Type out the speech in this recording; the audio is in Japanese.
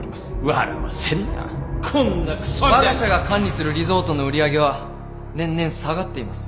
わが社が管理するリゾートの売り上げは年々下がっています。